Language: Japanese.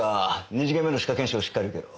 ２時限目の歯科検診をしっかり受けろ。